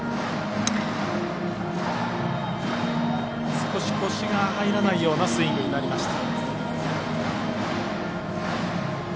少し腰が入らないようなスイングになりました。